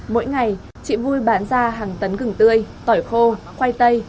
mỗi ngày chị vui bán ra hàng tấn gừng tươi tỏi khô khoai tây